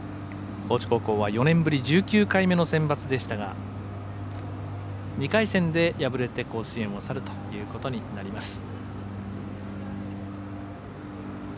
高知高校は４年ぶり１９回目のセンバツでしたが２回戦で敗れて甲子園を去るということになります。